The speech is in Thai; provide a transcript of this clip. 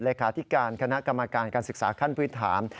เลขาธิการคณะกรรมการการศึกษาขั้นพื้นฐาน